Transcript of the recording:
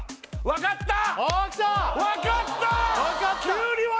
分かった？